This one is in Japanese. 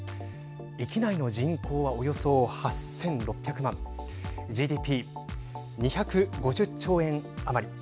域内の人口は、およそ８６００万ＧＤＰ、２５０兆円余り。